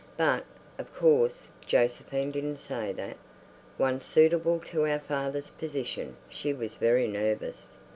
But, of course, Josephine didn't say that. "One suitable to our father's position." She was very nervous.